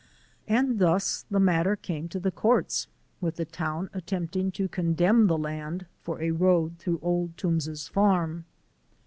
And thus the matter came to the courts with the town attempting to condemn the land for a road through Old Toombs's farm.